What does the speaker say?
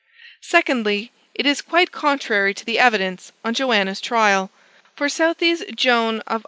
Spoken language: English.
2dly, it is quite contrary to the evidence on Joanna's trial; for Southey's "Joan" of A.